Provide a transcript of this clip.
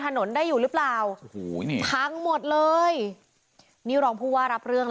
ถนนได้อยู่หรือเปล่าโอ้โหนี่พังหมดเลยนี่รองผู้ว่ารับเรื่อง